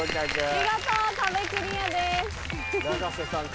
見事壁クリアです。